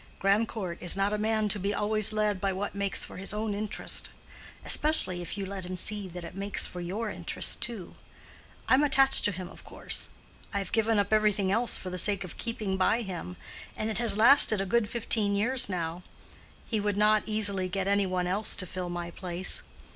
Grandcourt is not a man to be always led by what makes for his own interest; especially if you let him see that it makes for your interest too. I'm attached to him, of course. I've given up everything else for the sake of keeping by him, and it has lasted a good fifteen years now. He would not easily get any one else to fill my place.